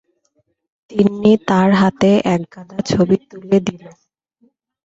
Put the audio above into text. তিন্নি তাঁর হাতে একগাদা ছবি তুলে দিল।